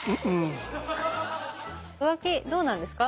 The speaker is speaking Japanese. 浮気どうなんですか？